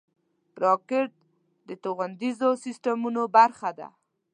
راکټ د توغندیزو سیسټمونو برخه ده